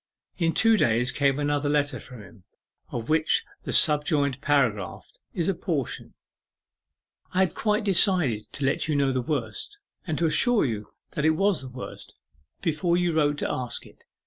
In two days came another letter from him, of which the subjoined paragraph is a portion: 'I had quite decided to let you know the worst, and to assure you that it was the worst, before you wrote to ask it.